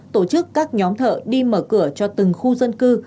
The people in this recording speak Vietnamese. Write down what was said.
tổ chức các nhóm thợ đi mở cửa cho từng khu dân cư